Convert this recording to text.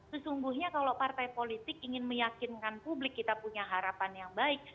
sesungguhnya kalau partai politik ingin meyakinkan publik kita punya harapan yang baik